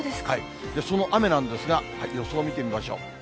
その雨なんですが、予想を見てみましょう。